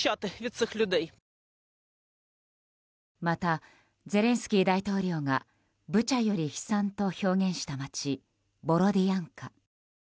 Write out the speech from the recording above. また、ゼレンスキー大統領がブチャより悲惨と表現した街ボロディアンカ。